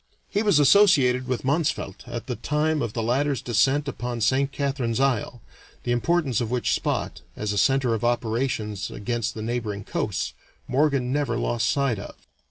He was associated with Mansvelt at the time of the latter's descent upon Saint Catharine's Isle, the importance of which spot, as a center of operations against the neighboring coasts, Morgan never lost sight of.